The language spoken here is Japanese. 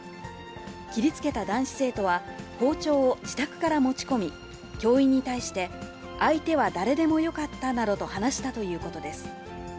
切りつけた男子生徒は、包丁を自宅から持ち込み、教員に対して、相手は誰でもよかったなどと話したということです。